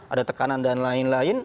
ada tekanan dan lain lain